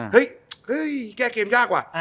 เฮ้ยแก้เกมยากว่ะ